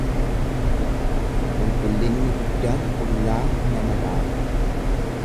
Qulqullinni guddaan qullaa nama dhaaba.